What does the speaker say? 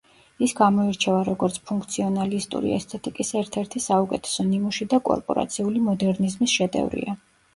ის გამოირჩევა როგორც ფუნქციონალისტური ესთეტიკის ერთ-ერთი საუკეთესო ნიმუში და კორპორაციული მოდერნიზმის შედევრია.